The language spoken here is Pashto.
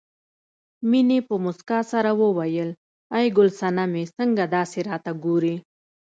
مينې په مسکا سره وویل ای ګل سنمې څنګه داسې راته ګورې